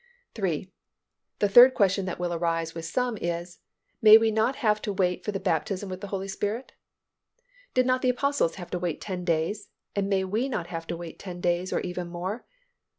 3. The third question that will arise with some is, _May we not have to wait for the baptism with the Holy __ Spirit?_ Did not the Apostles have to wait ten days, and may we not have to wait ten days or even more?